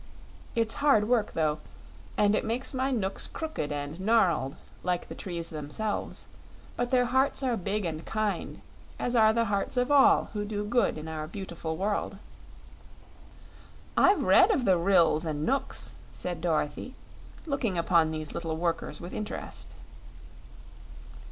It's hard work, though, and it makes my Knooks crooked and gnarled, like the trees themselves; but their hearts are big and kind, as are the hearts of all who do good in our beautiful world." "I've read of the Ryls and Knooks," said Dorothy, looking upon these little workers with interest.